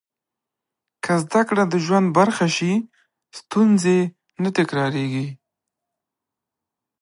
که زده کړه د ژوند برخه شي، ستونزې نه تکرارېږي.